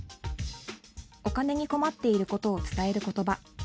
お金に困っていることを伝えることば。